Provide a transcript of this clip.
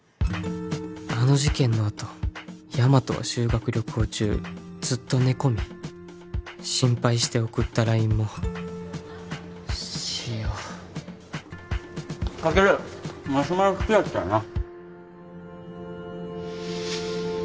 あの事件のあとヤマトは修学旅行中ずっと寝込み心配して送ったＬＩＮＥも塩カケルマシュマロ好きだったよな？